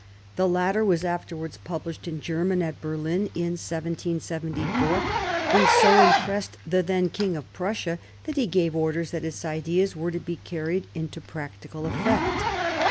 (The latter was afterwards published in German at Berlin in 1774, and so impressed the then King of Prussia that he gave orders that its ideas were to be carried into practical effect.)